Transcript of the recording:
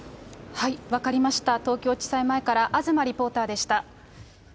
分かりました、東京地裁前から東リポーターでした。